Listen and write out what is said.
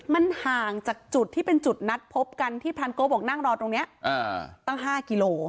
มันห่างจากจุดที่เป็นจุดนัดพบกันที่พรานโก้บอกนั่งรอตรงนี้ตั้ง๕กิโล